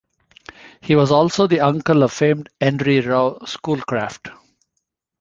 He was also the uncle of the famed Henry Rowe Schoolcraft.